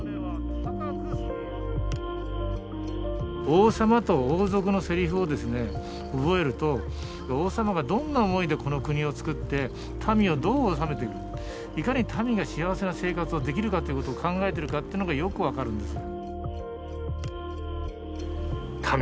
王様と王族のセリフを覚えると王様がどんな思いでこの国をつくって民をどう治めていくいかに民が幸せな生活をできるかっていうことを考えてるかっていうのがよく分かるんです。